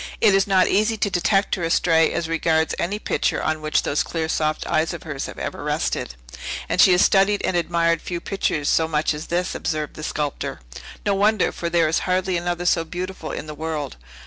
"It is not easy to detect her astray as regards any picture on which those clear, soft eyes of hers have ever rested." "And she has studied and admired few pictures so much as this," observed the sculptor. "No wonder; for there is hardly another so beautiful in the world.